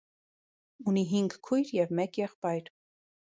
Ունի հինգ քույր և մեկ եղբայր։